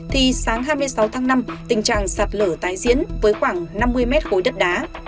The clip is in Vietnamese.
thì sáng hai mươi sáu tháng năm tình trạng sạt lở tái diễn với khoảng năm mươi mét khối đất đá